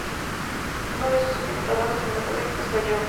Uno de sus últimos trabajos cinematográficos fue "Jump!